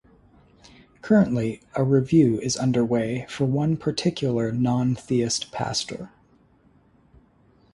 Currently, a review is underway for one particular non-theist pastor.